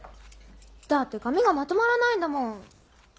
だって髪がまとまらないんだもん。